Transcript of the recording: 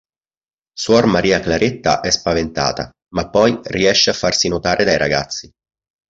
Suor Maria Claretta è spaventata, ma poi riesce a farsi notare dai ragazzi.